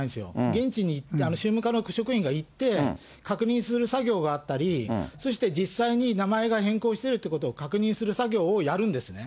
現地に、宗務課の職員が行って、確認する作業があったり、そして実際に名前が変更してるっていうことを確認する作業をやるんですね。